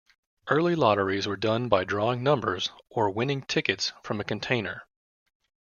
Early lotteries were done by drawing numbers, or winning tickets, from a container.